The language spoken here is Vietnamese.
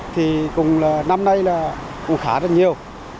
thì cũng là năm nay là cũng khá là nhiều